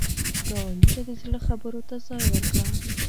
ګاونډي ته د زړه خبرو ته ځای ورکړه